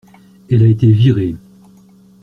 Elle a été virée.